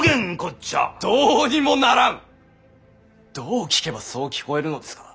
どう聞けばそう聞こえるのですか？